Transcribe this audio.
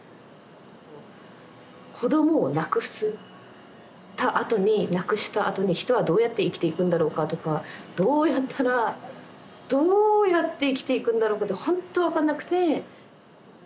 子どもを亡くしたあとに人はどうやって生きていくんだろうかとかどうやったらどうやって生きていくんだろうかとほんと分かんなくて。